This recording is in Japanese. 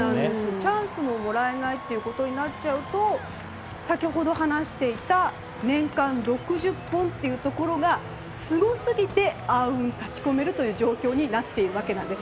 チャンスももらえないということになっちゃうと先ほど話していた年間６０本というところがすごすぎて暗雲立ち込める状況になっているわけなんです。